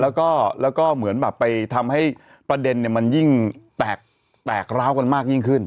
แล้วก็เหมือนแบบไปทำให้ประเด็นมันยิ่งแตกร้าวกันมากยิ่งขึ้น